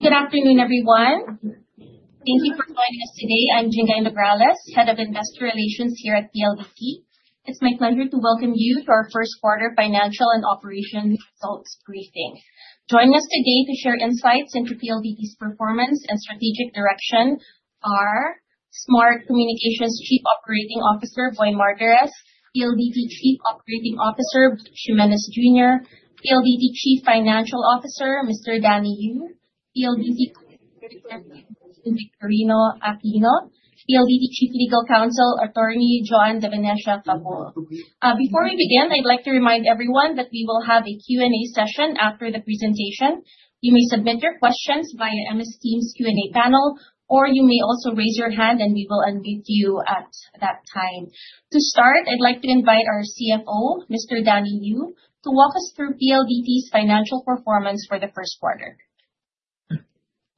Good afternoon, everyone. Thank you for joining us today. I'm Jingay Nograles, Head of Investor Relations here at PLDT. It's my pleasure to welcome you to our first-quarter financial and operations results briefing. Joining us today to share insights into PLDT's performance and strategic direction are Smart Communications Chief Operating Officer, Boy Martirez; PLDT Chief Operating Officer, Butch Jimenez Jr.; PLDT Chief Financial Officer, Mr. Danny Yu; PLDT Director, Marilyn Victorio-Aquino; PLDT Chief Legal Counsel, Atty. Marilyn Victorino-Aquino. Before we begin, I'd like to remind everyone that we will have a Q&A session after the presentation. You may submit your questions via MS Teams Q&A panel, or you may also raise your hand, and we will unmute you at that time. To start, I'd like to invite our CFO, Mr. Danny Yu, to walk us through PLDT's financial performance for the first quarter.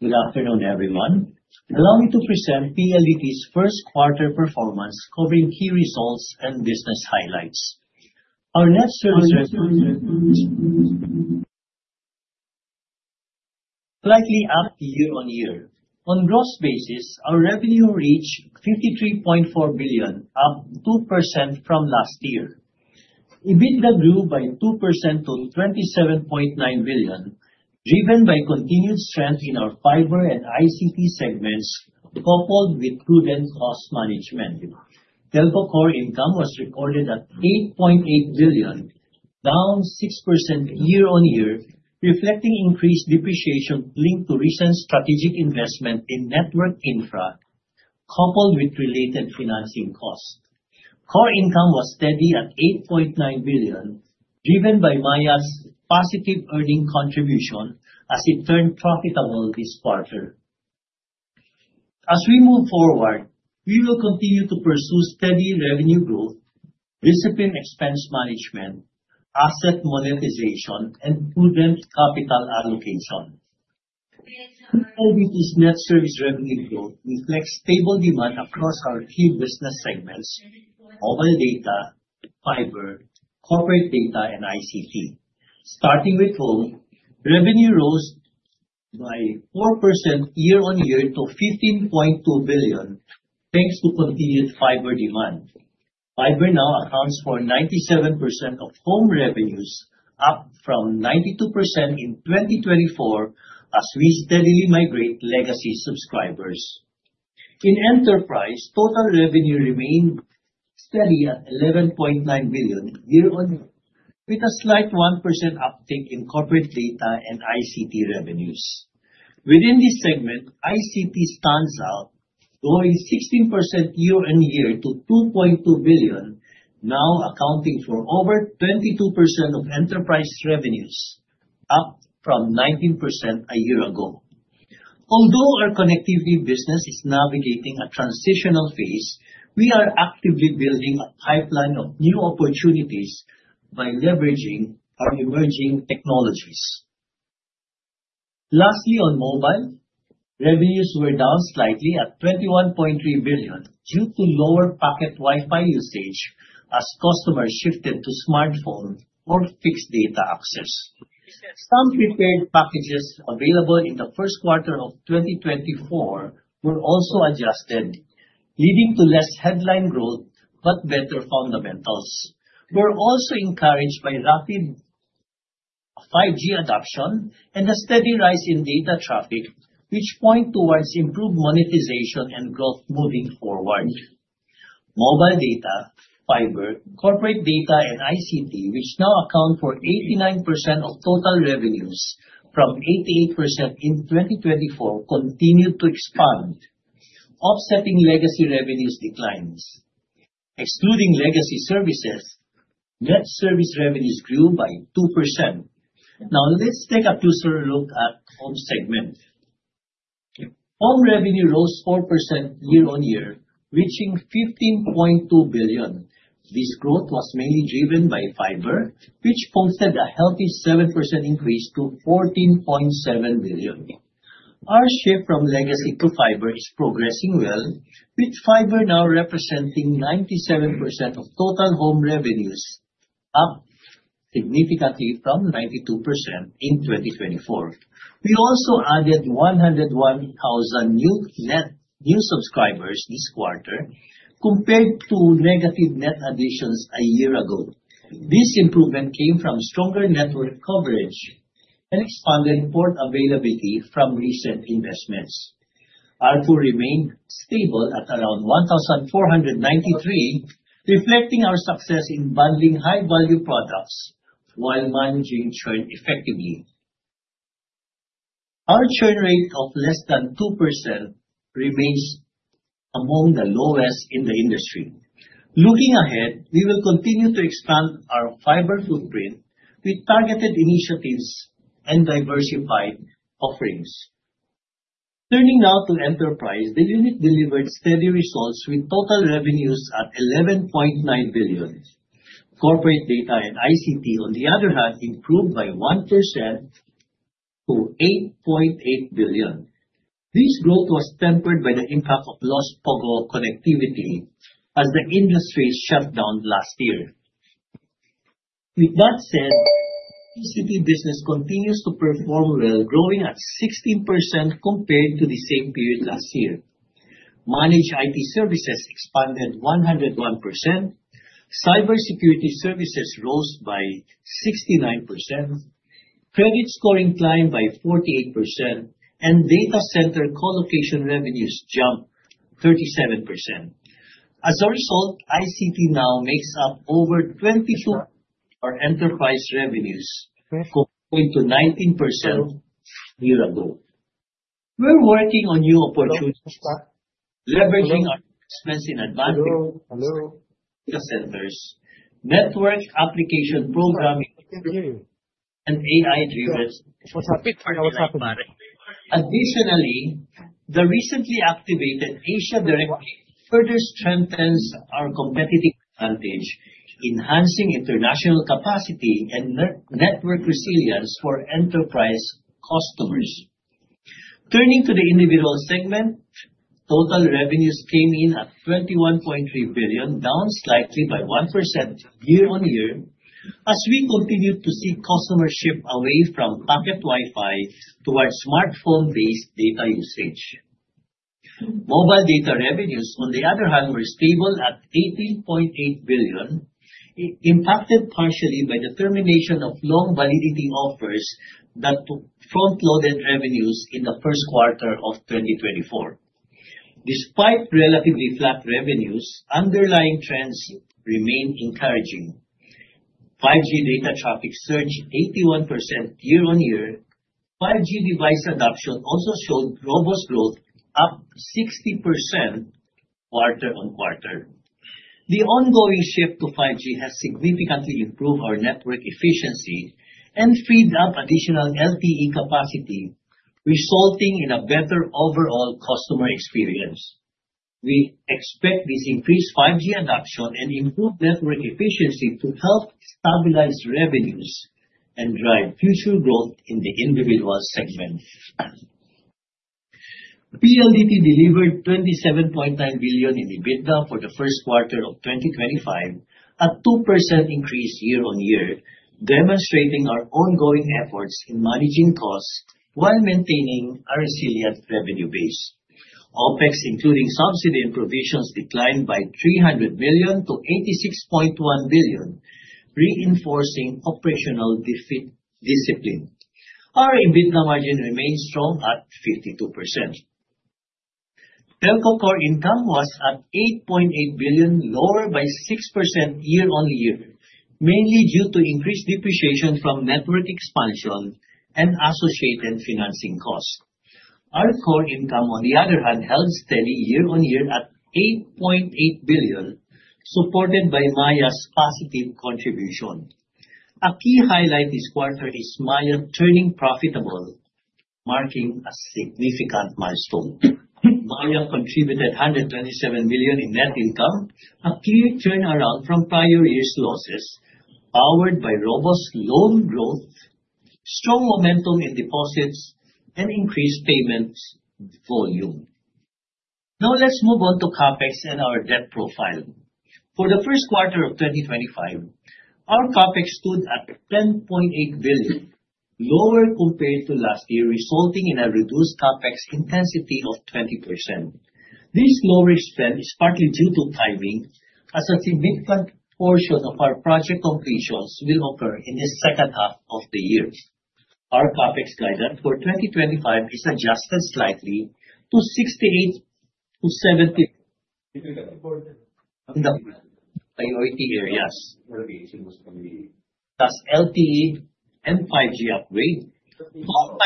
Good afternoon, everyone. Allow me to present PLDT's first-quarter performance, covering key results and business highlights. Our net slightly up year-on-year. On a gross basis, our revenue reached 53.4 billion, up 2% from last year. EBITDA grew by 2% to 27.9 billion, driven by continued strength in our Fiber and ICT segments, coupled with prudent cost management. Delta Core income was recorded at 8.8 billion, down 6% year-on-year, reflecting increased depreciation linked to recent strategic investment in network infra, coupled with related financing costs. Core income was steady at 8.9 billion, driven by Maya's positive earning contribution as it turned profitable this quarter. As we move forward, we will continue to pursue steady revenue growth, discipline expense management, asset monetization, and prudent capital allocation. PLDT's net service revenue growth reflects stable demand across our key business segments: mobile data, fiber, crporate data, and ICT. Starting with home, revenue rose by 4% year-on-year to 15.2 billion, thanks to continued fiber demand. Fiber now accounts for 97% of home revenues, up from 92% in 2024 as we steadily migrate legacy subscribers. In enterprise, total revenue remained steady at 11.9 billion year-on-year, with a slight 1% uptick in corporate data and ICT revenues. Within this segment, ICT stands out, growing 16% year-on-year to 2.2 billion, now accounting for over 22% of enterprise revenues, up from 19% a year ago. Although our connectivity business is navigating a transitional phase, we are actively building a pipeline of new opportunities by leveraging our emerging technologies. Lastly, on mobile, revenues were down slightly at 21.3 billion due to lower packet Wi-Fi usage as customers shifted to smartphone or fixed data access. Some prepaid packages available in the first quarter of 2024 were also adjusted, leading to less headline growth but better fundamentals. We're also encouraged by rapid 5G adoption and a steady rise in data traffic, which point towards improved monetization and growth moving forward. Mobile data, fiber, corporate data, and ICT, which now account for 89% of total revenues from 88% in 2024, continued to expand, offsetting legacy revenues' declines. Excluding legacy services, net service revenues grew by 2%. Now, let's take a closer look at home segment. Home revenue rose 4% year-on-year, reaching 15.2 billion. This growth was mainly driven by fiber, which posted a healthy 7% increase to 14.7 billion. Our shift from legacy to fiber is progressing well, with fiber now representing 97% of total home revenues, up significantly from 92% in 2024. We also added 101,000 new subscribers this quarter, compared to negative net additions a year ago. This improvement came from stronger network coverage and expanded port availability from recent investments. Our ARPU remained stable at around 1,493, reflecting our success in bundling high-value products while managing churn effectively. Our churn rate of less than 2% remains among the lowest in the industry. Looking ahead, we will continue to expand our fiber footprint with targeted initiatives and diversified offerings. Turning now to enterprise, the unit delivered steady results with total revenues at 11.9 billion. Corporate data and ICT, on the other hand, improved by 1% to 8.8 billion. This growth was tempered by the impact of lost POGO connectivity as the industry shut down last year. With that said, ICT business continues to perform well, growing at 16% compared to the same period last year. Managed IT services expanded 101%, cybersecurity services rose by 69%, credit scoring climbed by 48%, and data center colocation revenues jumped 37%. As a result, ICT now makes up over 20% of our enterprise revenues, going to 19% year-ago. We are working on new opportunities, leveraging our investments in advanced data centers, network application programming, and AI-driven solutions. Additionally, the recently activated Asia Direct further strengthens our competitive advantage, enhancing international capacity and network resilience for enterprise customers. Turning to the individual segment, total revenues came in at 21.3 billion, down slightly by 1% year-on-year, as we continued to see customers shift away from packet Wi-Fi towards smartphone-based data usage. Mobile data revenues, on the other hand, were stable at 18.8 billion, impacted partially by the termination of long-validity offers that front-loaded revenues in the first quarter of 2024. Despite relatively flat revenues, underlying trends remain encouraging. 5G data traffic surged 81% year-on-year. 5G device adoption also showed robust growth, up 60% quarter-on-quarter. The ongoing shift to 5G has significantly improved our network efficiency and freed up additional LTE capacity, resulting in a better overall customer experience. We expect this increased 5G adoption and improved network efficiency to help stabilize revenues and drive future growth in the individual segment. PLDT delivered 27.9 billion in EBITDA for the first quarter of 2025, a 2% increase year-on-year, demonstrating our ongoing efforts in managing costs while maintaining a resilient revenue base. OpEx), including subsidy and provisions, declined by 300 million to 86.1 billion, reinforcing operational discipline. Our EBITDA margin remained strong at 52%. Core income was at 8.8 billion, lower by 6% year-on-year, mainly due to increased depreciation from network expansion and associated financing costs. Our core income, on the other hand, held steady year-on-year at 8.8 billion, supported by Maya's positive contribution. A key highlight this quarter is Maya turning profitable, marking a significant milestone. Maya contributed 127 million in net income, a clear turnaround from prior year's losses, powered by robust loan growth, strong momentum in deposits, and increased payment volume. Now, let's move on to CapEx and our debt profile. For the first quarter of 2025, our CapEx stood at 10.8 billion, lower compared to last year, resulting in a reduced CapEx intensity of 20%. This lower spend is partly due to timing, as a significant portion of our project completions will occur in the second half of the year. Our CapEx guidance for 2025 is adjusted slightly to 68.7 billion in the priority areas, plus LTE and 5G upgrade, as well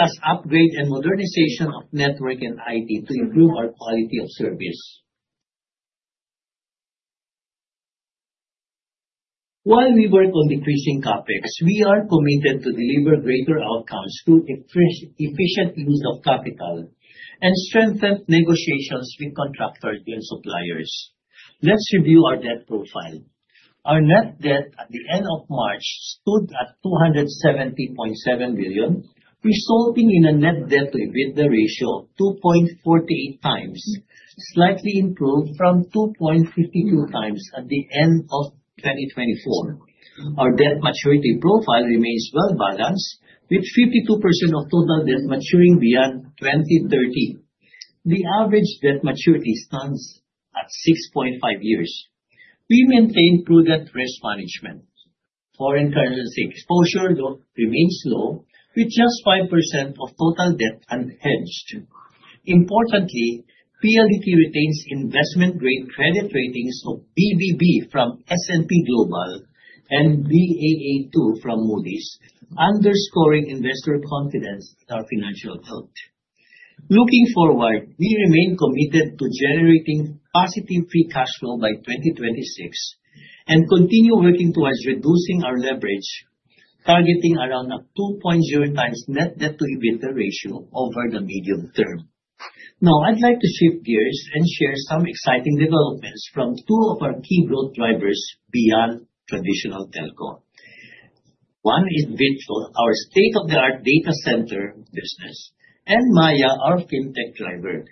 as upgrade and modernization of network and IT to improve our quality of service. While we work on decreasing CapEx, we are committed to deliver greater outcomes through efficient use of capital and strengthened negotiations with contractors and suppliers. Let's review our debt profile. Our net debt at the end of March stood at 270.7 billion, resulting in a net debt-to-EBITDA ratio of 2.48x, slightly improved from 2.52x at the end of 2024. Our debt maturity profile remains well-balanced, with 52% of total debt maturing beyond 2030. The average debt maturity stands at 6.5 years. We maintain prudent risk management. Foreign currency exposure remains low, with just 5% of total debt unhedged. Importantly, PLDT retains investment-grade credit ratings of BBB from S&P Global and Baa2 from Moody's, underscoring investor confidence in our financial health. Looking forward, we remain committed to generating positive free cash flow by 2026 and continue working towards reducing our leverage, targeting around a 2.0x net debt-to-EBITDA ratio over the medium term. Now, I'd like to shift gears and share some exciting developments from two of our key growth drivers beyond traditional telco. One is Vitro, our state-of-the-art data center business, and Maya, our fintech driver.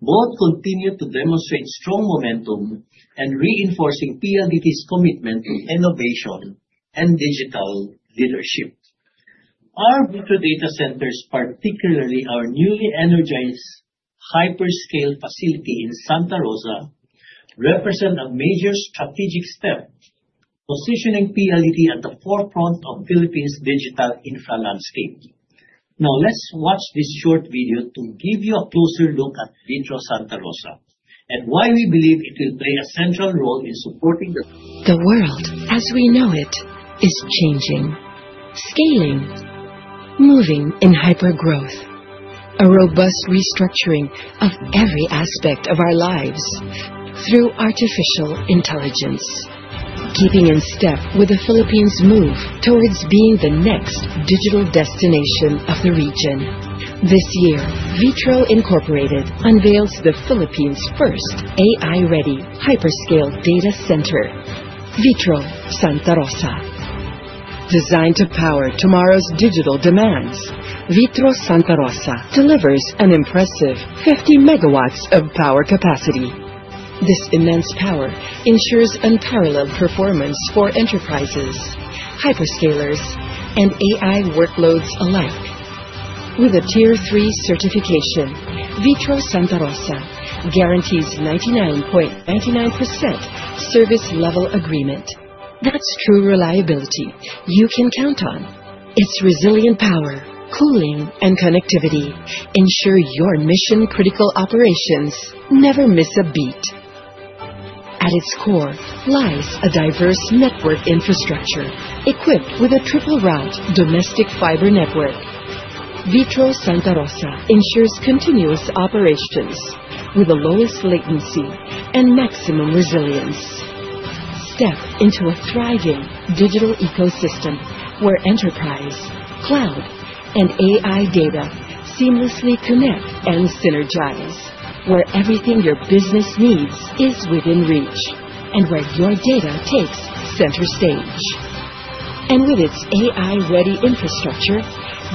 Both continue to demonstrate strong momentum and reinforce PLDT's commitment to innovation and digital leadership. Our micro data centers, particularly our newly energized hyperscale facility in Santa Rosa, represent a major strategic step, positioning PLDT at the forefront of the Philippines' digital infra landscape. Now, let's watch this short video to give you a closer look at Vitro Santa Rosa and why we believe it will play a central role in supporting. The world as we know it is changing, scaling, moving in hypergrowth, a robust restructuring of every aspect of our lives through artificial intelligence, keeping in step with the Philippines' move towards being the next digital destination of the region. This year, Vitro unveils the Philippines' first AI-ready hyperscale data center, Vitro Santa Rosa. Designed to power tomorrow's digital demands, Vitro Santa Rosa delivers an impressive 50 MW of power capacity. This immense power ensures unparalleled performance for enterprises, hyperscalers, and AI workloads alike. With a Tier 3 certification, Vitro Santa Rosa guarantees 99.99% service level agreement. That's true reliability you can count on. Its resilient power, cooling, and connectivity ensure your mission-critical operations never miss a beat. At its core lies a diverse network infrastructure equipped with a triple-route domestic fiber network. Vitro Santa Rosa ensures continuous operations with the lowest latency and maximum resilience. Step into a thriving digital ecosystem where enterprise, cloud, and AI data seamlessly connect and synergize, where everything your business needs is within reach and where your data takes center stage. With its AI-ready infrastructure,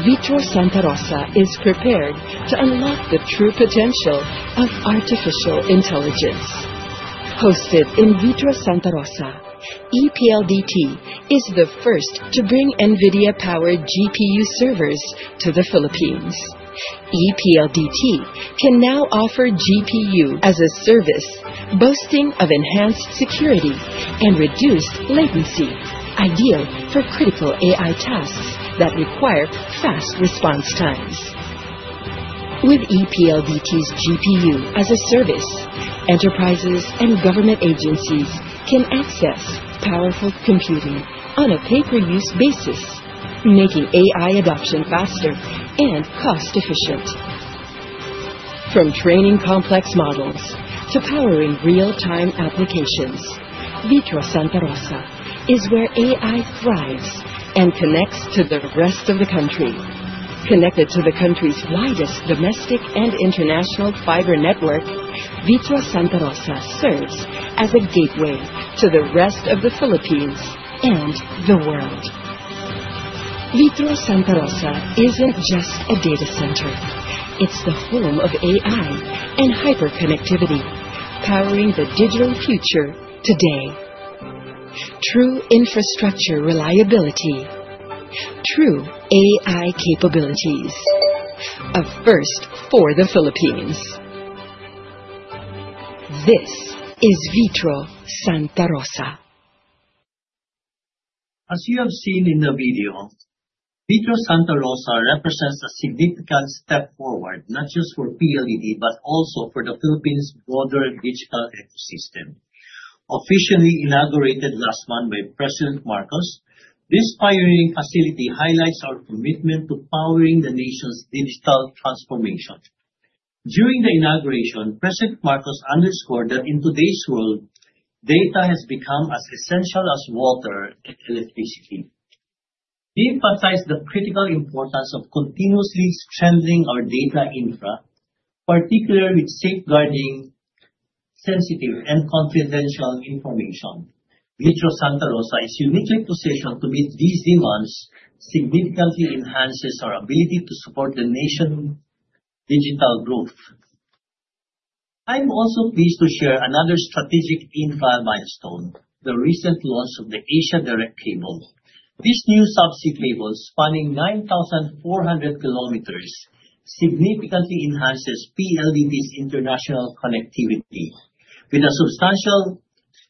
Vitro Santa Rosa is prepared to unlock the true potential of artificial intelligence. Hosted in Vitro Santa Rosa, ePLDT is the first to bring NVIDIA-powered GPU servers to the Philippines. ePLDT can now offer GPU as a service, boasting of enhanced security and reduced latency, ideal for critical AI tasks that require fast response times. With ePLDT's GPU as a service, enterprises and government agencies can access powerful computing on a pay-per-use basis, making AI adoption faster and cost-efficient. From training complex models to powering real-time applications, Vitro Santa Rosa is where AI thrives and connects to the rest of the country. Connected to the country's widest domestic and international fiber network, Vitro Santa Rosa serves as a gateway to the rest of the Philippines and the world. Vitro Santa Rosa isn't just a data center; it's the home of AI and hyperconnectivity, powering the digital future today. True infrastructure reliability, true AI capabilities, a first for the Philippines. This is Vitro Santa Rosa. As you have seen in the video, Vitro Santa Rosa represents a significant step forward not just for PLDT but also for the Philippines' broader digital ecosystem. Officially inaugurated last month by President Marcos, this pioneering facility highlights our commitment to powering the nation's digital transformation. During the inauguration, President Marcos underscored that in today's world, data has become as essential as water and electricity. He emphasized the critical importance of continuously strengthening our data infra, particularly with safeguarding sensitive and confidential information. Vitro Santa Rosa is uniquely positioned to meet these demands, significantly enhancing our ability to support the nation's digital growth. I'm also pleased to share another strategic infra milestone: the recent launch of the Asia Direct cable. This new subsea cable, spanning 9,400 km, significantly enhances PLDT's international connectivity. With a substantial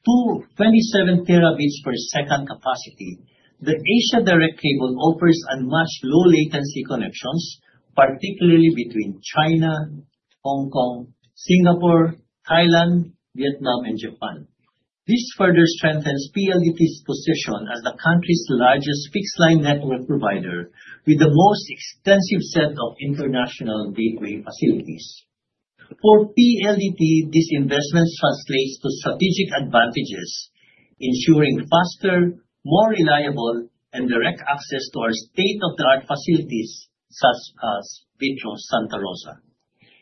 27 TB per second capacity, the Asia Direct cable offers unmatched low-latency connections, particularly between China, Hong Kong, Singapore, Thailand, Vietnam, and Japan. This further strengthens PLDT's position as the country's largest fixed-line network provider, with the most extensive set of international gateway facilities. For PLDT, this investment translates to strategic advantages, ensuring faster, more reliable, and direct access to our state-of-the-art facilities such as Vitro Santa Rosa.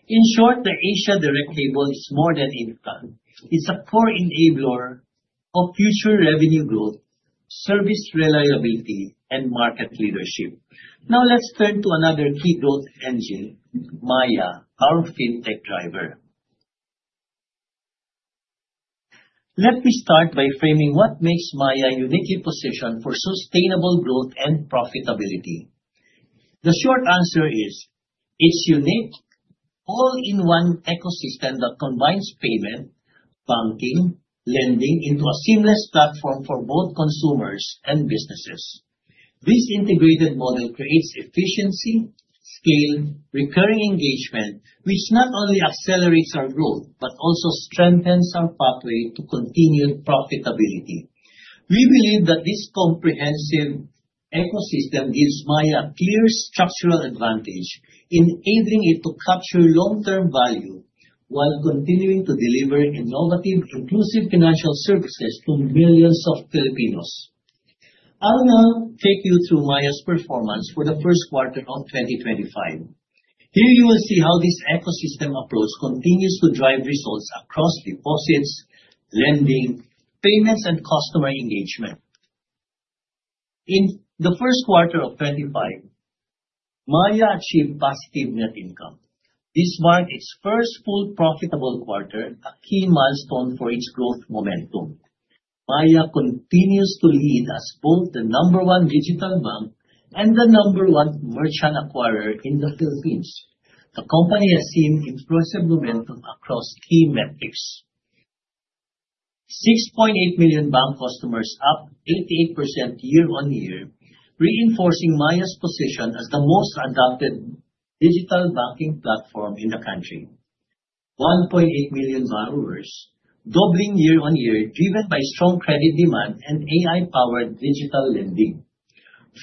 In short, the Asia Direct Cable is more than infra; it's a core enabler of future revenue growth, service reliability, and market leadership. Now, let's turn to another key growth engine, Maya, our fintech driver. Let me start by framing what makes Maya uniquely positioned for sustainable growth and profitability. The short answer is it's unique, an all-in-one ecosystem that combines payment, banking, and lending into a seamless platform for both consumers and businesses. This integrated model creates efficiency, scale, and recurring engagement, which not only accelerates our growth but also strengthens our pathway to continued profitability. We believe that this comprehensive ecosystem gives Maya a clear structural advantage, enabling it to capture long-term value while continuing to deliver innovative, inclusive financial services to millions of Filipinos. I'll now take you through Maya's performance for the first quarter of 2025. Here you will see how this ecosystem approach continues to drive results across deposits, lending, payments, and customer engagement. In the first quarter of 2025, Maya achieved positive net income. This marked its first full profitable quarter, a key milestone for its growth momentum. Maya continues to lead as both the number one digital bank and the number one merchant acquirer in the Philippines. The company has seen impressive momentum across key metrics: 6.8 million bank customers, up 88% year-on-year, reinforcing Maya's position as the most adopted digital banking platform in the country; 1.8 million borrowers, doubling year-on-year, driven by strong credit demand and AI-powered digital lending;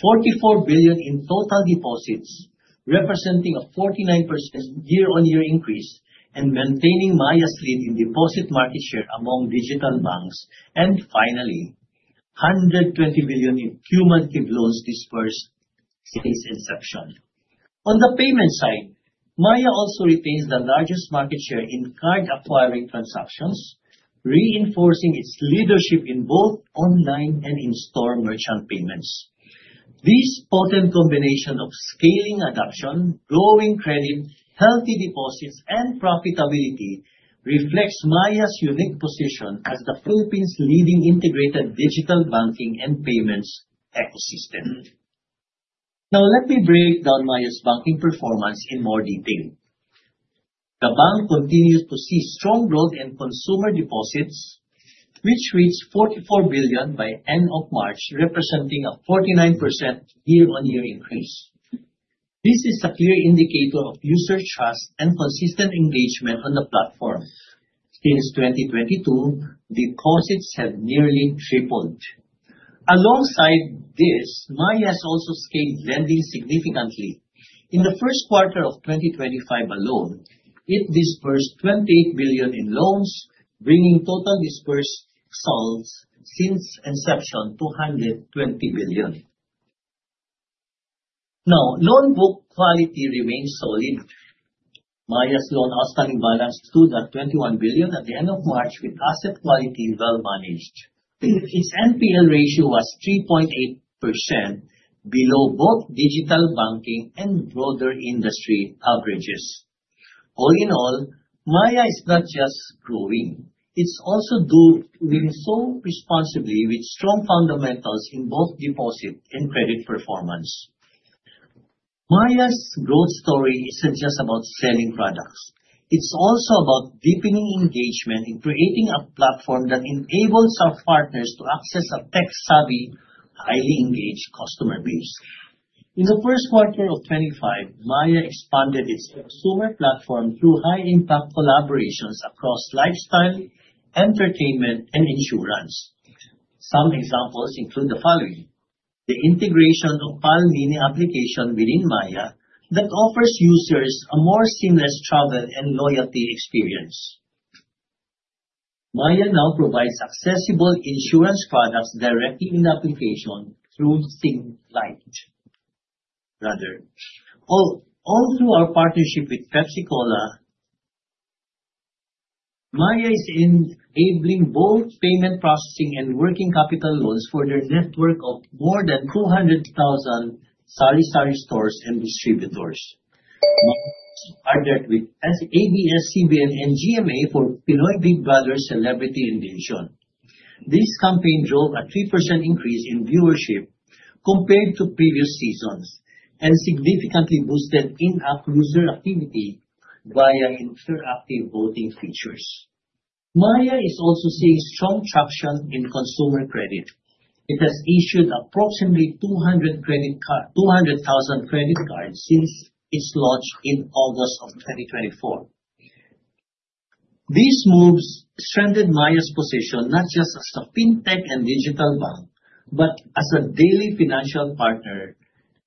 44 billion in total deposits, representing a 49% year-on-year increase and maintaining Maya's lead in deposit market share among digital banks; and finally, 120 billion in cumulative loans dispersed since inception. On the payment side, Maya also retains the largest market share in card acquiring transactions, reinforcing its leadership in both online and in-store merchant payments. This potent combination of scaling adoption, growing credit, healthy deposits, and profitability reflects Maya's unique position as the Philippines' leading integrated digital banking and payments ecosystem. Now, let me break down Maya's banking performance in more detail. The bank continues to see strong growth in consumer deposits, which reached 44 billion by the end of March, representing a 49% year-on-year increase. This is a clear indicator of user trust and consistent engagement on the platform. Since 2022, deposits have nearly tripled. Alongside this, Maya has also scaled lending significantly. In the first quarter of 2025 alone, it dispersed 28 billion in loans, bringing total dispersed saldos since inception to 120 billion. Now, loan book quality remains solid. Maya's loan outstanding balance stood at 21 billion at the end of March, with asset quality well-managed. Its NPL ratio was 3.8%, below both digital banking and broader industry averages. All in all, Maya is not just growing; it's also doing so responsibly, with strong fundamentals in both deposit and credit performance. Maya's growth story isn't just about selling products; it's also about deepening engagement and creating a platform that enables our partners to access a tech-savvy, highly engaged customer base. In the first quarter of 2025, Maya expanded its consumer platform through high-impact collaborations across lifestyle, entertainment, and insurance. Some examples include the following: the integration of the PAL Mini application within Maya that offers users a more seamless travel and loyalty experience. Maya now provides accessible insurance products directly in the application through ThinkLight. All through our partnership with Pepsi Cola, Maya is enabling both payment processing and working capital loans for their network of more than 200,000 sari-sari stores and distributors. Maya is partnered with ABS-CBN and GMA for Pinoy Big Brother's celebrity invasion. This campaign drove a 3% increase in viewership compared to previous seasons and significantly boosted in-app user activity via interactive voting features. Maya is also seeing strong traction in consumer credit. It has issued approximately 200,000 credit cards since its launch in August of 2024. These moves strengthened Maya's position not just as a fintech and digital bank but as a daily financial partner,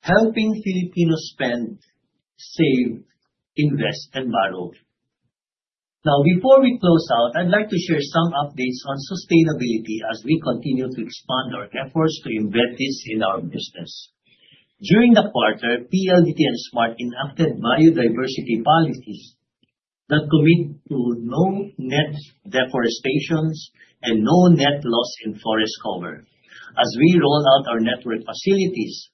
helping Filipinos spend, save, invest, and borrow. Now, before we close out, I'd like to share some updates on sustainability as we continue to expand our efforts to embed this in our business. During the quarter, PLDT and Smart enacted biodiversity policies that commit to no net deforestation and no net loss in forest cover. As we roll out our network facilities,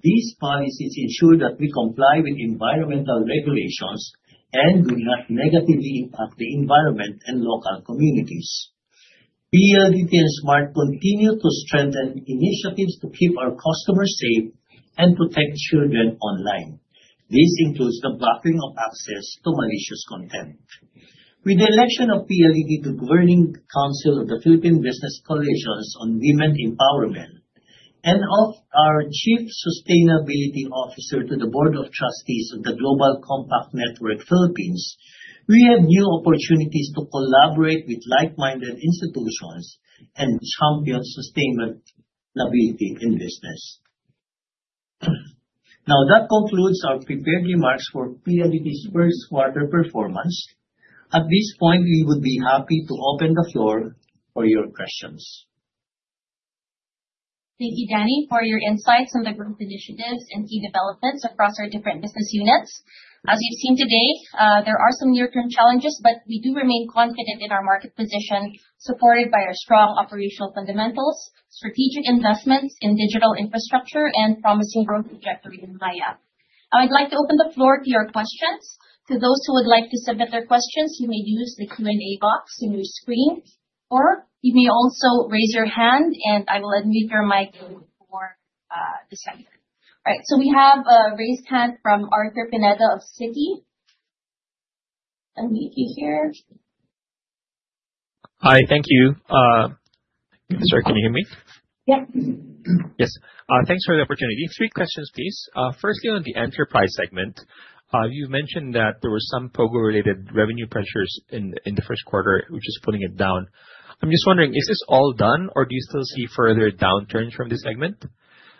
these policies ensure that we comply with environmental regulations and do not negatively impact the environment and local communities. PLDT and Smart continue to strengthen initiatives to keep our customers safe and protect children online. This includes the blocking of access to malicious content. With the election of PLDT to the Governing Council of the Philippine Business Coalition on Women Empowerment and of our Chief Sustainability Officer to the Board of Trustees of the Global Compact Network Philippines, we have new opportunities to collaborate with like-minded institutions and champion sustainability in business. Now, that concludes our prepared remarks for PLDT's first quarter performance. At this point, we would be happy to open the floor for your questions. Thank you, Danny, for your insights on the growth initiatives and key developments across our different business units. As you've seen today, there are some near-term challenges, but we do remain confident in our market position, supported by our strong operational fundamentals, strategic investments in digital infrastructure, and promising growth trajectory in Maya. I'd like to open the floor to your questions. To those who would like to submit their questions, you may use the Q&A box on your screen, or you may also raise your hand, and I will unmute your mic for the second. All right, we have a raised hand from Arthur Pineda of Citi. Let me see here. Hi, thank you. Mr. Sir, can you hear me? Yep. Yes. Thanks for the opportunity. Three questions, please. Firstly, on the enterprise segment, you mentioned that there were some POGO-related revenue pressures in the first quarter, which is putting it down. I'm just wondering, is this all done, or do you still see further downturns from this segment?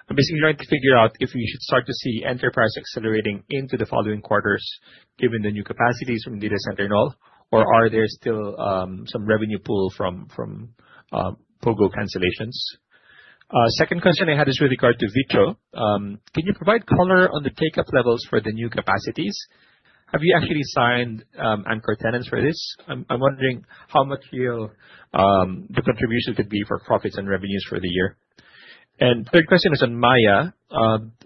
I'm basically trying to figure out if we should start to see enterprise accelerating into the following quarters, given the new capacities from the data center and all, or are there still some revenue pull from POGO cancellations? Second question I had is with regard to Vitro. Can you provide color on the take-up levels for the new capacities? Have you actually signed anchor tenants for this? I'm wondering how much real the contribution could be for profits and revenues for the year. Third question is on Maya.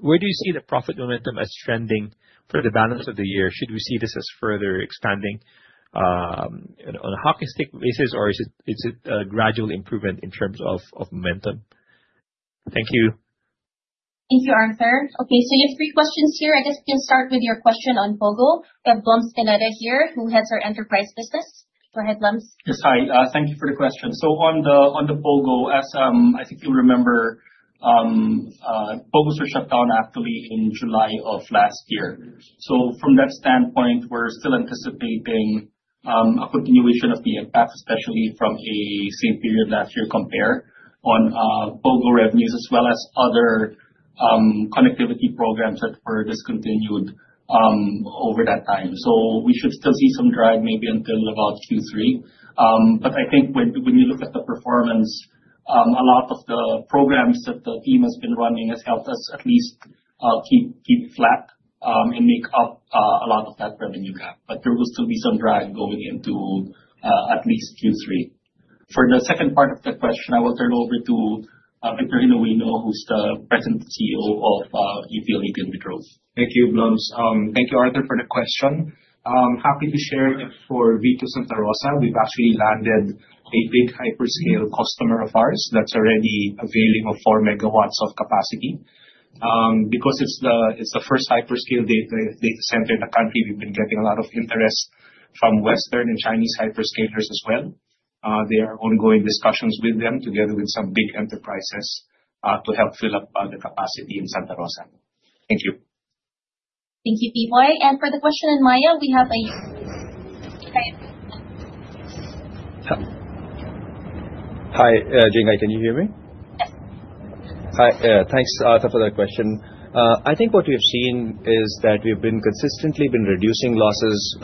Where do you see the profit momentum as trending for the balance of the year? Should we see this as further expanding on a hockey stick basis, or is it a gradual improvement in terms of momentum? Thank you. Thank you, Arthur. Okay, you have three questions here. I guess we can start with your question on POGO. We have Blums Pineda here, who heads our enterprise business. Go ahead, Blums. Yes, hi. Thank you for the question. On the POGO, as I think you'll remember, POGO was shut down actually in July of last year. From that standpoint, we're still anticipating a continuation of the impact, especially from a same period last year compared on POGO revenues, as well as other connectivity programs that were discontinued over that time. We should still see some drag maybe until about Q3. I think when you look at the performance, a lot of the programs that the team has been running have helped us at least keep flat and make up a lot of that revenue gap. There will still be some drag going into at least Q3. For the second part of the question, I will turn over to Victor S. Genuino, who's the present CEO of ePLDT and Vitro. Thank you, Blums. Thank you, Arthur, for the question. Happy to share that for Vitro Santa Rosa, we've actually landed a big hyperscale customer of ours that's already availing of 4 MW of capacity. Because it's the first hyperscale data center in the country, we've been getting a lot of interest from Western and Chinese hyperscalers as well. There are ongoing discussions with them, together with some big enterprises, to help fill up the capacity in Santa Rosa. Thank you. Thank you, Pboy. For the question in Maya, we have a... Hi, Jinghai. Can you hear me? Yes. Hi. Thanks, Arthur, for the question. I think what we have seen is that we've consistently been reducing losses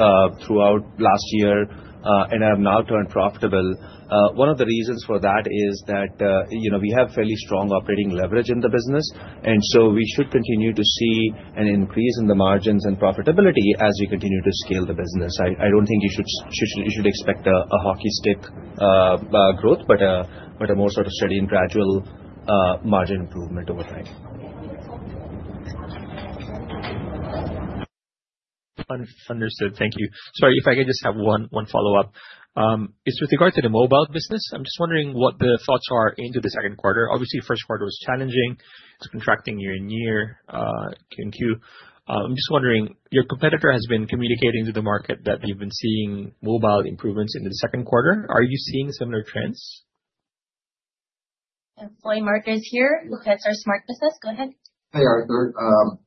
throughout last year, and have now turned profitable. One of the reasons for that is that we have fairly strong operating leverage in the business, and so we should continue to see an increase in the margins and profitability as we continue to scale the business. I do not think you should expect a hockey stick growth, but a more steady and gradual margin improvement over time. Understood. Thank you. Sorry, if I can just have one follow-up. It is with regard to the mobile business. I am just wondering what the thoughts are into the second quarter. Obviously, first quarter was challenging. It is contracting year in, year in queue. I'm just wondering, your competitor has been communicating to the market that they've been seeing mobile improvements in the second quarter. Are you seeing similar trends? Employee markers here, who heads our Smart Communications business. Go ahead. Hi, Arthur.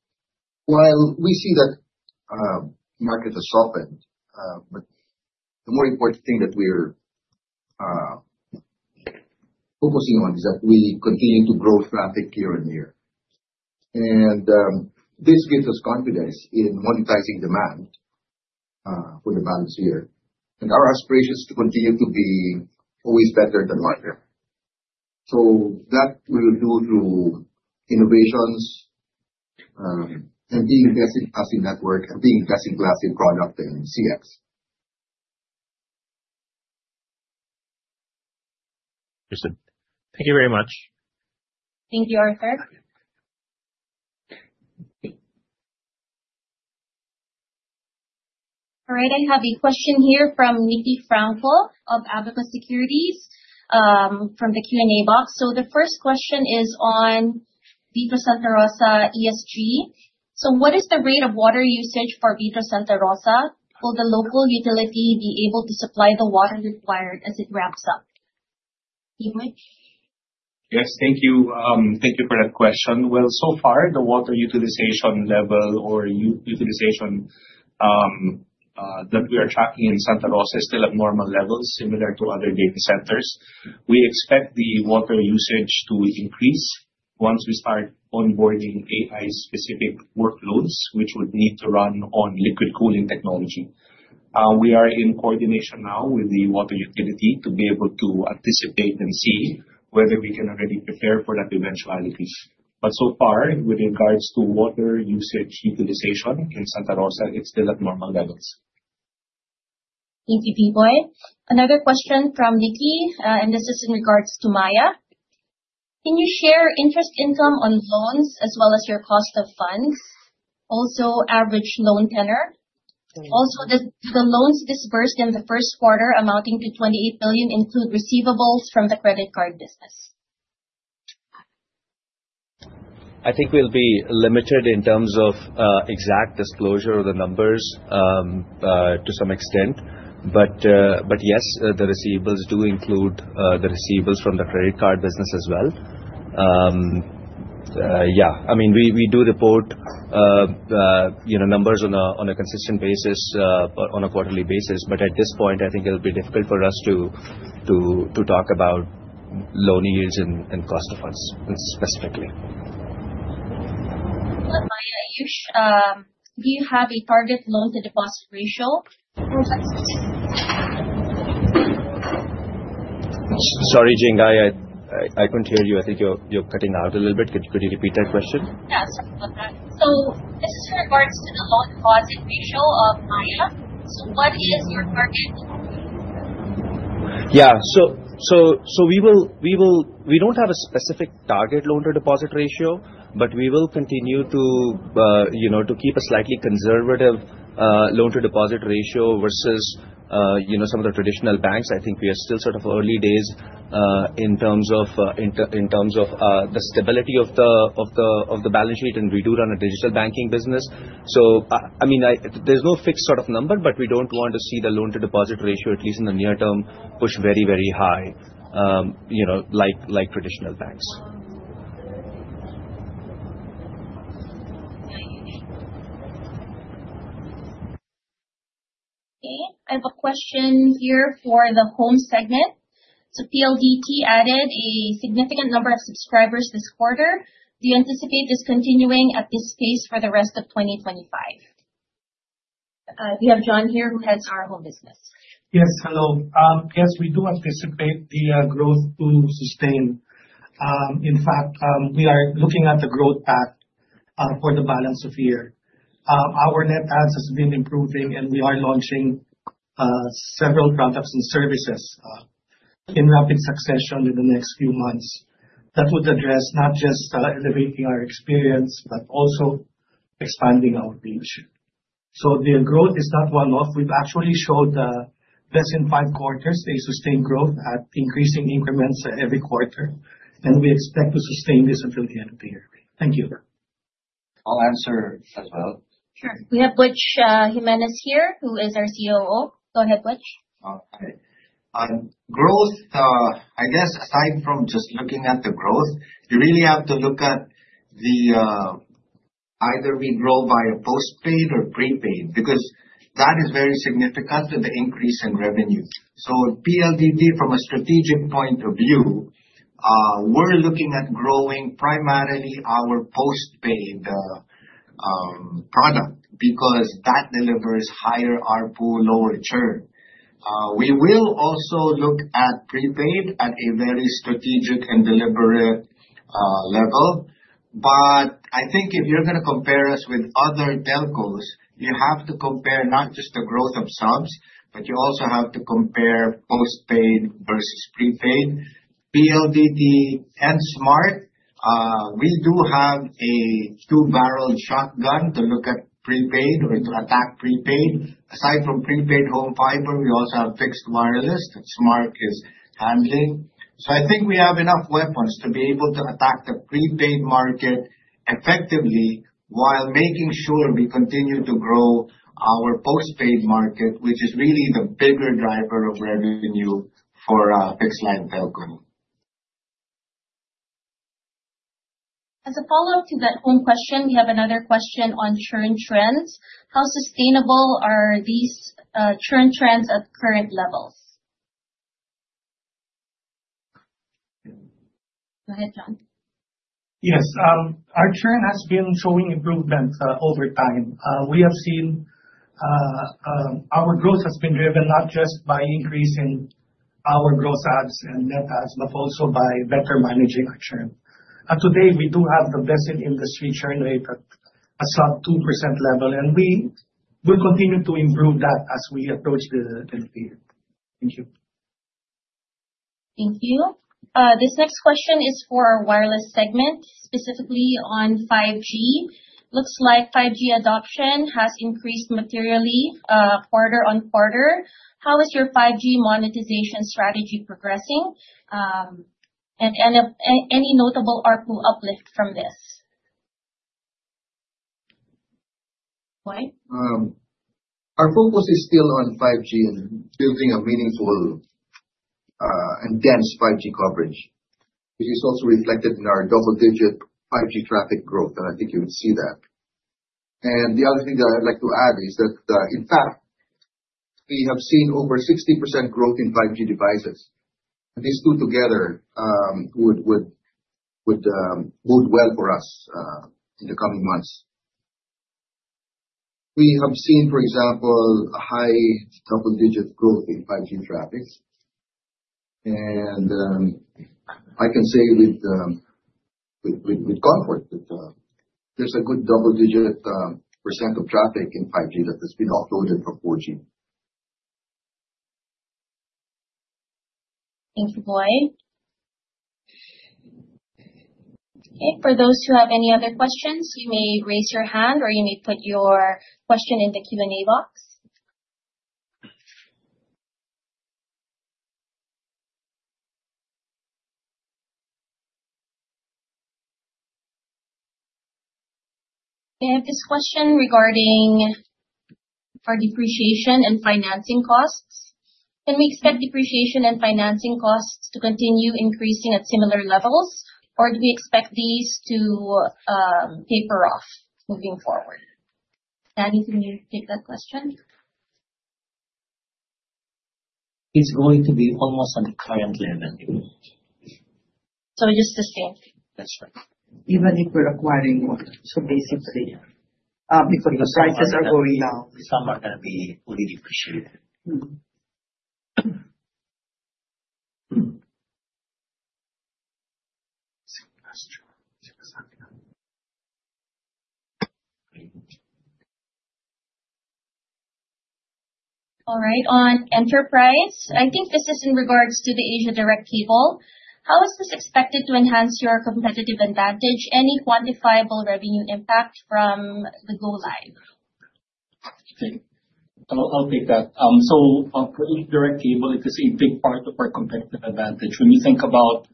While we see that the market has softened, the more important thing that we're focusing on is that we continue to grow traffic year in, year. And this gives us confidence in monetizing demand for the balance of the year. Our aspiration is to continue to be always better than market. That we will do through innovations and being best in class in network and being best in class in product and CX. Understood. Thank you very much. Thank you, Arthur. All right, I have a question here from Nikki Frankel of Abacus Securities from the Q&A box. The first question is on Vitro Santa Rosa ESG. What is the rate of water usage for Vitro Santa Rosa? Will the local utility be able to supply the water required as it ramps up? Yes, thank you. Thank you for that question. So far, the water utilization level or utilization that we are tracking in Santa Rosa is still at normal levels, similar to other data centers. We expect the water usage to increase once we start onboarding AI-specific workloads, which would need to run on liquid cooling technology. We are in coordination now with the water utility to be able to anticipate and see whether we can already prepare for that eventuality. So far, with regards to water usage utilization in Santa Rosa, it is still at normal levels. Thank you, Pboy. Another question from Nikki, and this is in regards to Maya. Can you share interest income on loans as well as your cost of funds? Also, average loan tenor. Also, do the loans dispersed in the first quarter amounting to 28 billion include receivables from the credit card business? I think we'll be limited in terms of exact disclosure of the numbers to some extent. Yes, the receivables do include the receivables from the credit card business as well. Yeah, I mean, we do report numbers on a consistent basis, on a quarterly basis. At this point, I think it'll be difficult for us to talk about loan yields and cost of funds specifically. Maya, do you have a target loan-to-deposit ratio? Sorry, Jinghai. I couldn't hear you. I think you're cutting out a little bit. Could you repeat that question? Yeah, sorry about that. This is in regards to the loan-to-deposit ratio of Maya. What is your target? Yeah, we do not have a specific target loan-to-deposit ratio, but we will continue to keep a slightly conservative loan-to-deposit ratio versus some of the traditional banks. I think we are still sort of early days in terms of the stability of the balance sheet, and we do run a digital banking business. I mean, there is no fixed sort of number, but we do not want to see the loan-to-deposit ratio, at least in the near term, push very, very high like traditional banks. I have a question here for the home segment. PLDT added a significant number of subscribers this quarter. Do you anticipate this continuing at this pace for the rest of 2025? We have John here, who heads our home business. Yes, hello. Yes, we do anticipate the growth to sustain. In fact, we are looking at the growth path for the balance of the year. Our net adds have been improving, and we are launching several products and services in rapid succession in the next few months that would address not just elevating our experience but also expanding our reach. The growth is not one-off. We've actually showed less than five quarters a sustained growth at increasing increments every quarter, and we expect to sustain this until the end of the year. Thank you. I'll answer as well. Sure. We have Butch Jimenez here, who is our COO. Go ahead, Butch. Okay. Growth, I guess, aside from just looking at the growth, you really have to look at either we grow via postpaid or prepaid because that is very significant to the increase in revenue. PLDT, from a strategic point of view, we're looking at growing primarily our postpaid product because that delivers higher RPO, lower churn. We will also look at prepaid at a very strategic and deliberate level. I think if you're going to compare us with other telcos, you have to compare not just the growth of subs, but you also have to compare postpaid versus prepaid. PLDT and Smart, we do have a two-barrel shotgun to look at prepaid or to attack prepaid. Aside from prepaid home fiber, we also have fixed wireless that Smart is handling. I think we have enough weapons to be able to attack the prepaid market effectively while making sure we continue to grow our postpaid market, which is really the bigger driver of revenue for fixed-line telco. As a follow-up to that home question, we have another question on churn trends. How sustainable are these churn trends at current levels? Go ahead, John. Yes, our churn has been showing improvement over time. We have seen our growth has been driven not just by increasing our gross ads and net ads, but also by better managing our churn. Today, we do have the best in industry churn rate at a sub 2% level, and we will continue to improve that as we approach the end of the year. Thank you. Thank you. This next question is for our wireless segment, specifically on 5G. Looks like 5G adoption has increased materially quarter on quarter. How is your 5G monetization strategy progressing? Any notable RPO uplift from this? Our focus is still on 5G and building a meaningful and dense 5G coverage, which is also reflected in our double-digit 5G traffic growth, and I think you would see that. The other thing that I'd like to add is that, in fact, we have seen over 60% growth in 5G devices. These two together would bode well for us in the coming months. We have seen, for example, a high double-digit growth in 5G traffic. I can say with comfort that there's a good double-digit % of traffic in 5G that has been offloaded from 4G. Thank you, Boy. For those who have any other questions, you may raise your hand or you may put your question in the Q&A box. We have this question regarding our depreciation and financing costs. Can we expect depreciation and financing costs to continue increasing at similar levels, or do we expect these to taper off moving forward? Danny, can you take that question? It's going to be almost at the current level. Just the same? That's right. Even if we're acquiring more. Basically, because prices are going down, some are going to be fully depreciated. All right, on enterprise, I think this is in regards to the Asia Direct cable. How is this expected to enhance your competitive advantage? Any quantifiable revenue impact from the go-live? Okay, I'll take that. For Asia Direct cable, it is a big part of our competitive advantage. When you think about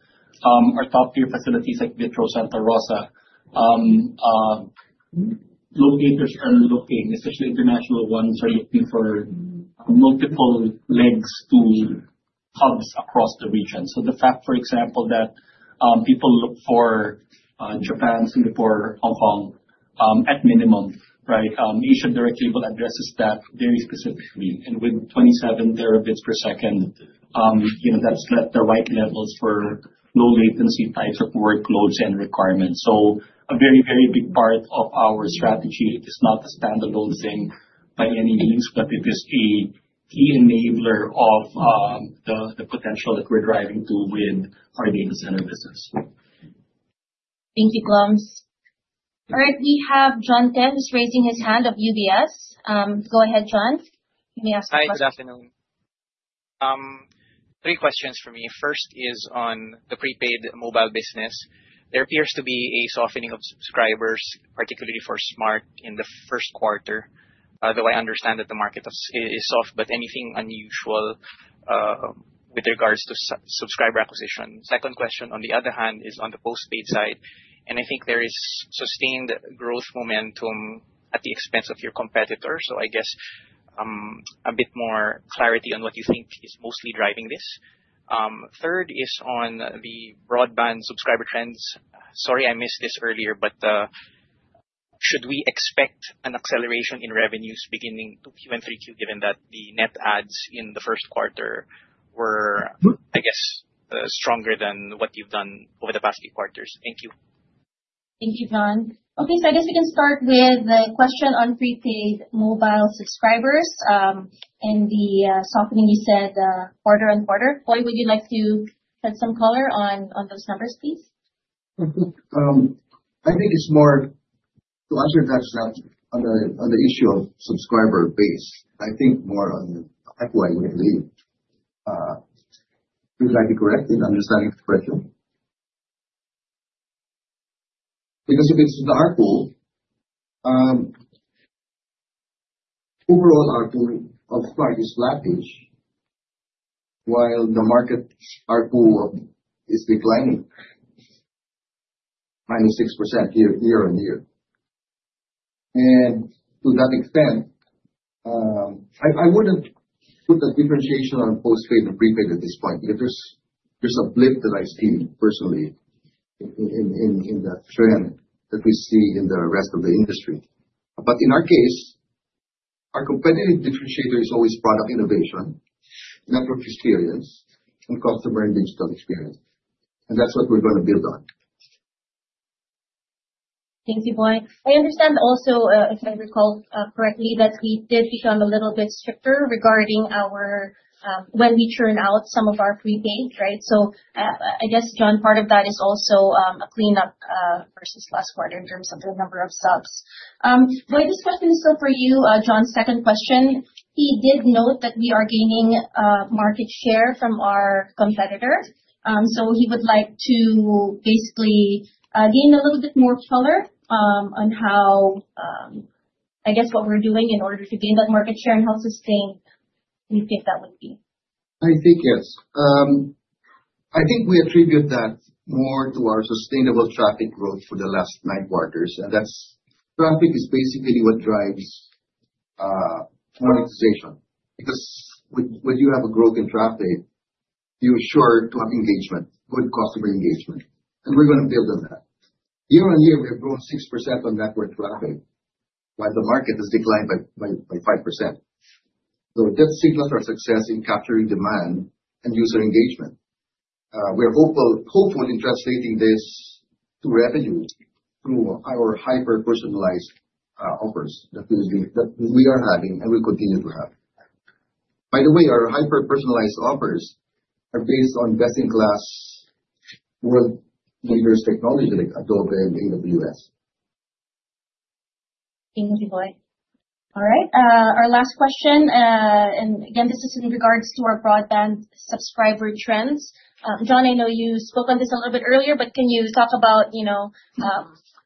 our top-tier facilities like Vitro Santa Rosa, locators are looking, especially international ones, are looking for multiple links to hubs across the region. The fact, for example, that people look for Japan, Singapore, Hong Kong at minimum, right? Asia Direct cable addresses that very specifically. With 27 TB per second, that's at the right levels for low-latency types of workloads and requirements. A very, very big part of our strategy is not a standalone thing by any means, but it is a key enabler of the potential that we're driving to with our data center business. Thank you, Blums. All right, we have John Ted who's raising his hand of UBS. Go ahead, John. You may ask the question. Hi, good afternoon. Three questions for me. First is on the prepaid mobile business. There appears to be a softening of subscribers, particularly for Smart, in the first quarter, though I understand that the market is soft, but anything unusual with regards to subscriber acquisition. Second question, on the other hand, is on the postpaid side, and I think there is sustained growth momentum at the expense of your competitor. I guess a bit more clarity on what you think is mostly driving this. Third is on the broadband subscriber trends. Sorry, I missed this earlier, but should we expect an acceleration in revenues beginning Q and 3Q, given that the net adds in the first quarter were, I guess, stronger than what you've done over the past few quarters? Thank you. Thank you, John. Okay, so I guess we can start with the question on prepaid mobile subscribers and the softening, you said, quarter on quarter. Boy, would you like to shed some color on those numbers, please? I think it's more to answer that question on the issue of subscriber base. I think more on the FYE rate. Would you like to correct in understanding the question? Because if it's the RPO, overall RPO of Smart is slightish, while the market RPO is declining, minus 6% year on year. To that extent, I wouldn't put the differentiation on postpaid and prepaid at this point because there's a blip that I've seen personally in the trend that we see in the rest of the industry. In our case, our competitive differentiator is always product innovation, network experience, and customer and digital experience. That's what we're going to build on. Thank you, Boy. I understand also, if I recall correctly, that we did become a little bit stricter regarding when we churn out some of our prepaid, right? I guess, John, part of that is also a cleanup versus last quarter in terms of the number of subs. Boy, this question is still for you, John. Second question, he did note that we are gaining market share from our competitor. He would like to basically gain a little bit more color on how, I guess, what we're doing in order to gain that market share and how sustained you think that would be. I think yes. I think we attribute that more to our sustainable traffic growth for the last nine quarters. That traffic is basically what drives monetization because when you have a growth in traffic, you're sure to have engagement, good customer engagement. We're going to build on that. Year on year, we have grown 6% on network traffic, while the market has declined by 5%. That signals our success in capturing demand and user engagement. We're hopeful in translating this to revenue through our hyper-personalized offers that we are having and will continue to have. By the way, our hyper-personalized offers are based on best-in-class world leaders' technology like Adobe and AWS. Thank you, Boy. All right, our last question. This is in regards to our broadband subscriber trends. John, I know you spoke on this a little bit earlier, but can you talk about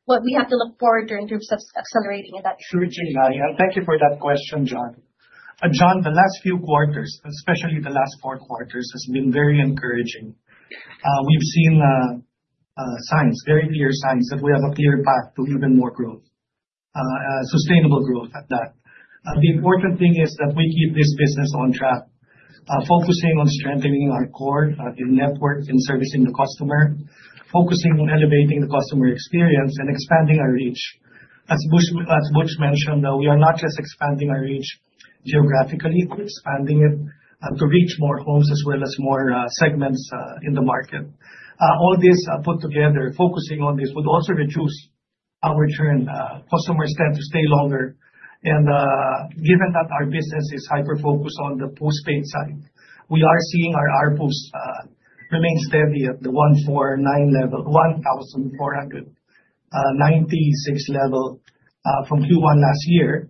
what we have to look for during groups of accelerating in that? Sure thing, Maria. Thank you for that question, John. The last few quarters, especially the last four quarters, have been very encouraging. We've seen signs, very clear signs that we have a clear path to even more growth, sustainable growth at that. The important thing is that we keep this business on track, focusing on strengthening our core network and servicing the customer, focusing on elevating the customer experience and expanding our reach. As Butch mentioned, we are not just expanding our reach geographically, but expanding it to reach more homes as well as more segments in the market. All this put together, focusing on this, would also reduce our churn. Customers tend to stay longer. Given that our business is hyper-focused on the postpaid side, we are seeing our RPOs remain steady at the 149 level, 1,496 level from Q1 last year,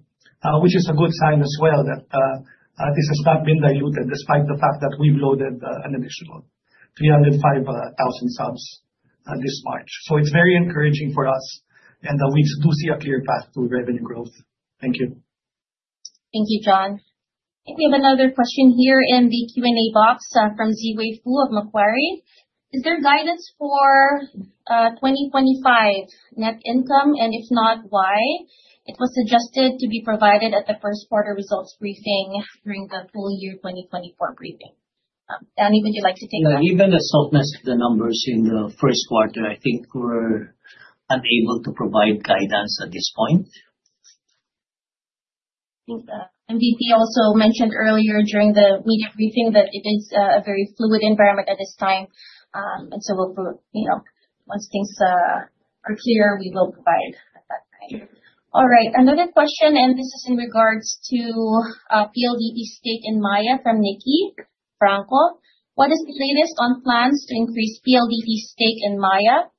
which is a good sign as well that this has not been diluted despite the fact that we have loaded an additional 305,000 subs this March. It is very encouraging for us, and we do see a clear path to revenue growth. Thank you. Thank you, John. We have another question here in the Q&A box from Ziwei Fu of Macquarie. Is there guidance for 2025 net income? If not, why? It was suggested to be provided at the first quarter results briefing during the full year 2024 briefing. Danny, would you like to take that? Even with the softness of the numbers in the first quarter, I think we're unable to provide guidance at this point. I think MVP also mentioned earlier during the media briefing that it is a very fluid environment at this time. Once things are clear, we will provide at that time. All right, another question, and this is in regards to PLDT stake in Maya from Nikki Frankel. What is the latest on plans to increase PLDT stake in Maya?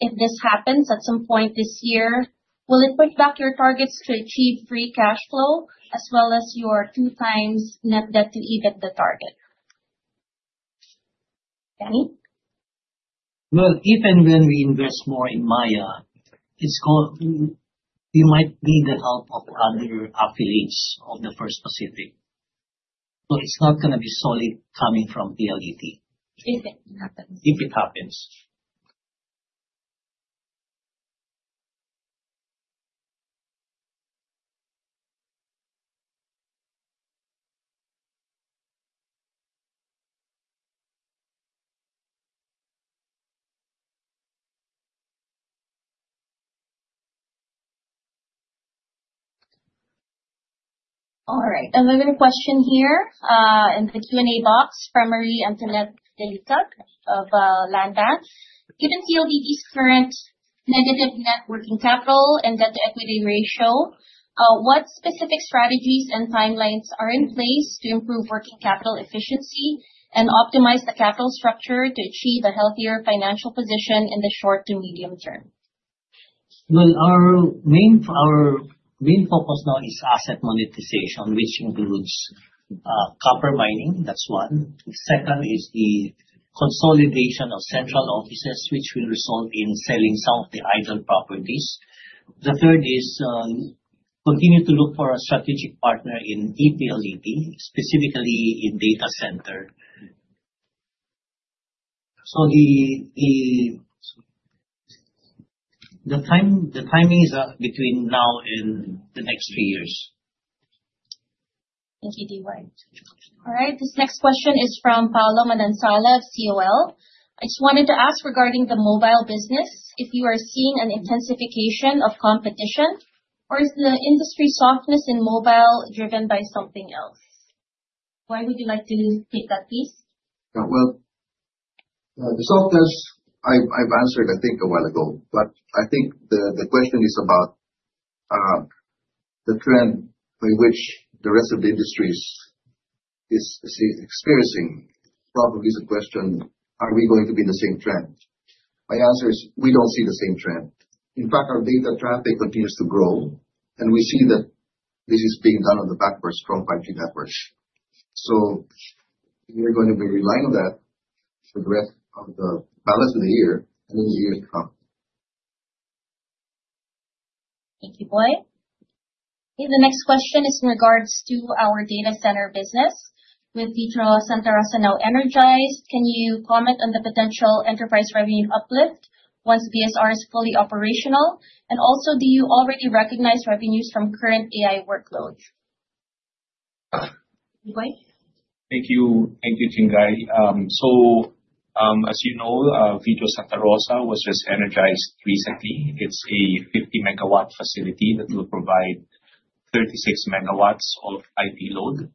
If this happens at some point this year, will it push back your targets to achieve free cash flow as well as your two times net debt to EBITDA target? Danny? If and when we invest more in Maya, we might need the help of other affiliates of First Pacific. It is not going to be solid coming from PLDT. if it happens. If it happens. All right, another question here in the Q&A box from Marie Antoinette De Lisa of Land Bank. Given PLDT's current negative net working capital and debt-to-equity ratio, what specific strategies and timelines are in place to improve working capital efficiency and optimize the capital structure to achieve a healthier financial position in the short to medium term? Our main focus now is asset monetization, which includes copper mining. That's one. The second is the consolidation of central offices, which will result in selling some of the idle properties. The third is to continue to look for a strategic partner in ePLDT, specifically in data center. The timing is between now and the next three years. Thank you, PBoy. All right, this next question is from Paolo Mananzala of COL. I just wanted to ask regarding the mobile business, if you are seeing an intensification of competition, or is the industry softness in mobile driven by something else? Why would you like to take that piece? The softness, I have answered, I think, a while ago. I think the question is about the trend by which the rest of the industry is experiencing. Probably the question, are we going to be in the same trend? My answer is we do not see the same trend. In fact, our data traffic continues to grow, and we see that this is being done on the back of our strong 5G networks. We are going to be relying on that for the rest of the balance of the year and in the years to come. Thank you, Boy. The next question is in regards to our data center business with Vitro Santa Rosa now energized. Can you comment on the potential enterprise revenue uplift once BSR is fully operational? And also, do you already recognize revenues from current AI workloads? Thank you. Thank you, Jingari. As you know, Vitro Santa Rosa was just energized recently. It is a 50 MW facility that will provide 36 MW of IP load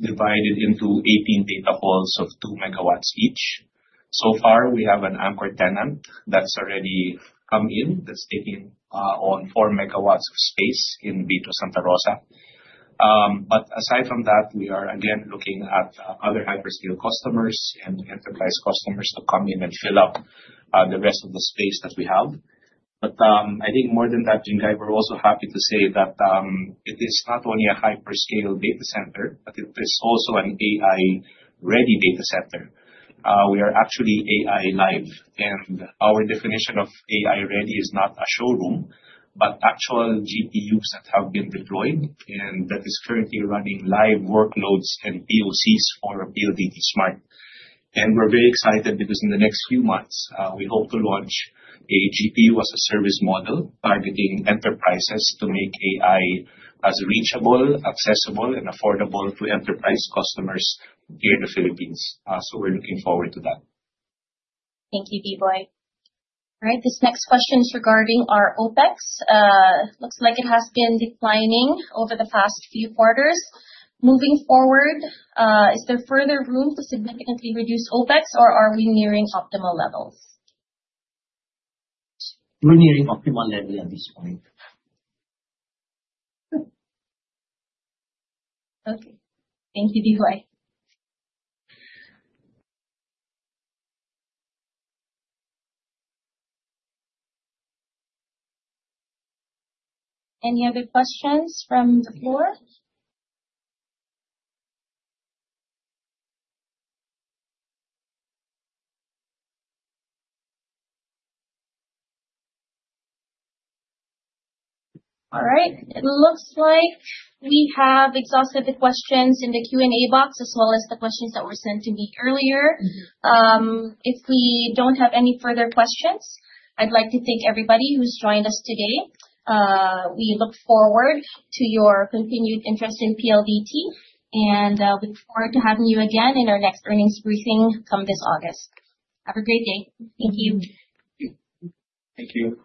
divided into 18 data halls of 2 MW each. So far, we have an anchor tenant that has already come in that is taking on 4 MW of space in Vitro Santa Rosa. Aside from that, we are again looking at other hyperscale customers and enterprise customers to come in and fill up the rest of the space that we have. I think more than that, Jingari, we are also happy to say that it is not only a hyperscale data center, but it is also an AI-ready data center. We are actually AI live. Our definition of AI-ready is not a showroom, but actual GPUs that have been deployed and that is currently running live workloads and POCs for PLDT Smart. We are very excited because in the next few months, we hope to launch a GPU-as-a-service model targeting enterprises to make AI as reachable, accessible, and affordable to enterprise customers here in the Philippines. We are looking forward to that. Thank you, PBoy. All right, this next question is regarding our OpEx). Looks like it has been declining over the past few quarters. Moving forward, is there further room to significantly reduce OpEx), or are we nearing optimal levels? We are nearing optimal level at this point. Okay. Thank you, PBoy. Any other questions from the floor? All right. It looks like we have exhausted the questions in the Q&A box as well as the questions that were sent to me earlier. If we don't have any further questions, I'd like to thank everybody who's joined us today. We look forward to your continued interest in PLDT and look forward to having you again in our next earnings briefing come this August. Have a great day. Thank you. Thank you.